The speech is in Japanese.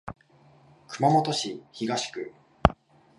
熊本市東区